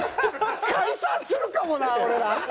解散するかもな俺ら。